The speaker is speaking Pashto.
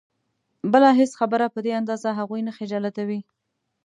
بله هېڅ خبره په دې اندازه هغوی نه خجالتوي.